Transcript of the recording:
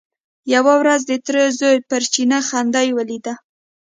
یوه ورځ د تره زوی پر چینه خدۍ ولیده.